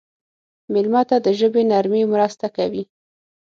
مېلمه ته د ژبې نرمي مرسته کوي.